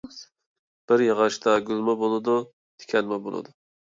بىر ياغاچتا گۈلمۇ بولىدۇ، تىكەنمۇ بولىدۇ.